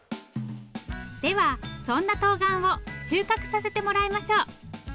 ではそんなとうがんを収穫させてもらいましょう。